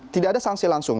tidak ada sanksi langsung